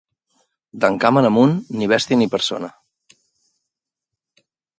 D'Encamp en amunt, ni bèstia ni persona.